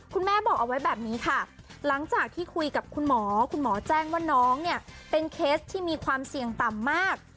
คุณแม่บอกเอาไว้แบบนี้ค่ะหลังจากที่คุยกับคุณหมอคุณหมอแจ้งว่าน้องเนี่ยเป็นเคสที่มีความเสี่ยงต่ำมาก